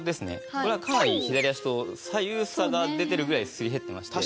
これはかなり左足と左右差が出てるぐらいすり減ってまして。